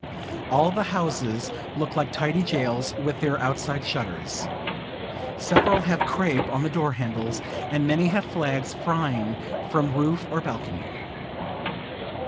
All the houses look like tidy jails, with their outside shutters. Several have crape on the door handles, and many have flags flying from roof or balcony.